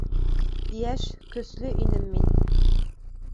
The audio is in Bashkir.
Йәш, көслө инем мин.